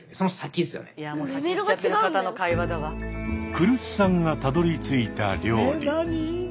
来栖さんがたどりついた料理。